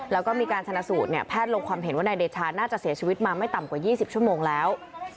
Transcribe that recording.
แล้วก็มีการชนะสูตรเนี่ยแพทย์ลงความเห็นว่านายเดชาน่าจะเสียชีวิตมาไม่ต่ำกว่า๒๐ชั่วโมงแล้ว